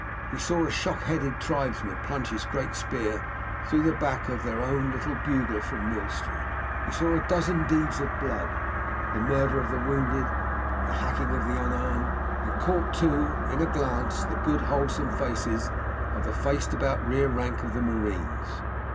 He saw a shock headed tribesman plunge his great spear through the back of their own little bugler from Mill street. He saw a dozen deeds of blood the murder of the wounded, the hacking of the unarmed and caught, too, in a glance, the good wholesome faces of the faced about rear rank of the Marines.